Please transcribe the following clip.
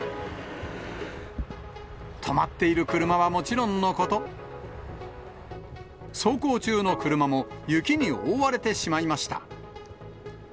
止まっている車はもちろんのこと、走行中の車も、雪に覆われてしまいました。